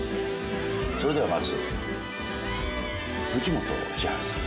それではまず藤本千春さん。